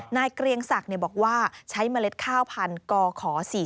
เกรียงศักดิ์บอกว่าใช้เมล็ดข้าวพันธุ์กข๔๔